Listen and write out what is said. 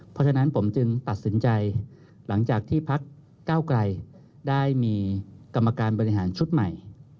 เพราะฉะนั้นผมจึงตัดสินใจหลังจากที่พักเก้าไกลได้มีกรรมการบริหารชุดใหม่